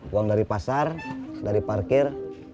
uang dari pasar dari parkir